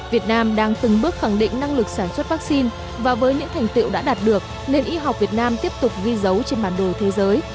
việt nam đang từng bước khẳng định năng lực sản xuất vaccine và với những thành tiệu đã đạt được nền y học việt nam tiếp tục ghi dấu trên bản đồ thế giới